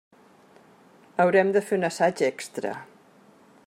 Haurem de fer un assaig extra.